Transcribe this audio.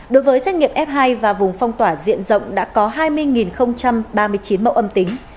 đối với xét nghiệm f hai và vùng phong tỏa diện rộng đã có hai mươi ba mươi chín mẫu âm tính